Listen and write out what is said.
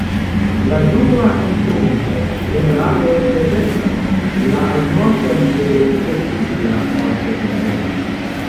La dua entombigo, ĝenerale, reprezentas la agnoskon de la socia morto de homo.